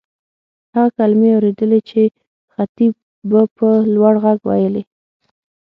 هغه کلیمې اورېدلې چې خطیب به په لوړ غږ وېلې.